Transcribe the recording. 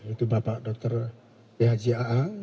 itu bapak dr b haji aang